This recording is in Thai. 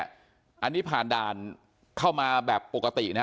อันนี้ผ่านด่านเข้ามาแบบปกตินะฮะ